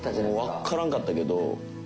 もうわからんかったけど。